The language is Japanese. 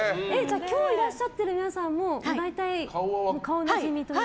今日いらっしゃっている皆さんも大体、顔なじみというか？